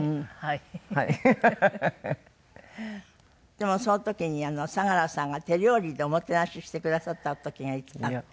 でもその時に佐良さんが手料理でおもてなししてくださった時があって。